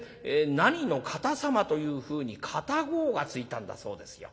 何の方様というふうに方号がついたんだそうですよ。